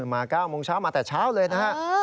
มา๙โมงเช้ามาแต่เช้าเลยนะฮะ